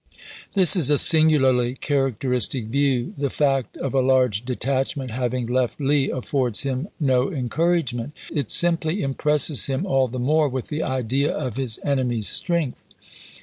This is a singularly characteristic view. The fact of a large detachment having left Lee affords him no encouragement ; it simply impresses him all the more with the idea of his enemy's strength.